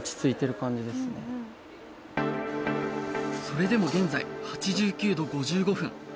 それでも現在８９度５５分